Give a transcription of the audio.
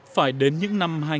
phải đến những năm hai nghìn